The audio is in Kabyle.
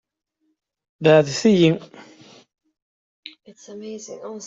Beɛɛdet-iyi.